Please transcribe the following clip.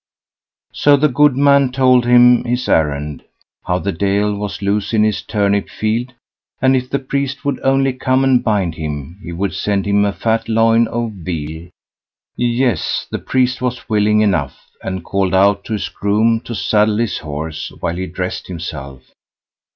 So the goodman told his errand; how the Deil was loose in his turnip field; and if the priest would only come and bind him, he would send him a fat loin of veal. Yes! the priest was willing enough, and called out to his groom, to saddle his horse, while he dressed himself.